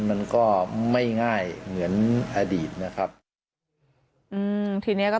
มันก็ไม่ง่ายเหมือนอดีตนะครับ